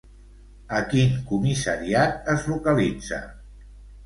A quin comissariat es localitza?